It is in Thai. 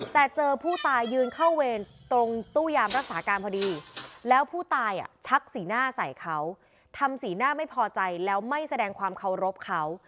แต่เจอผู้ตายยืนเข้าเวรตรงตู้ยามรักษาการพอดีแล้วผู้ตายชักสีหน้าใส่เขาทำสีหน้าไม่พอใจแล้วไม่แสดงความเคารพเขา